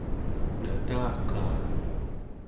nataqaa